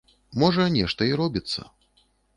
Можа, нешта і робіцца.